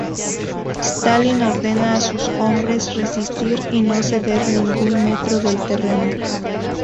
Stalin ordena a sus hombres resistir y no ceder ningún metro del terreno.